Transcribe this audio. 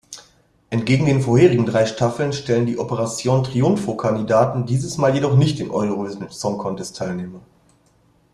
Entgegen den vorherigen drei Staffeln stellen die Operación-Triunfo-Kandidaten dieses Mal jedoch nicht den Eurovision-Song-Contest-Teilnehmer.